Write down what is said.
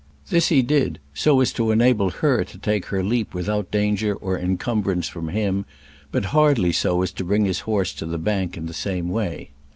This he did so as to enable her to take her leap without danger or encumbrance from him, but hardly so as to bring his horse to the bank in the same way.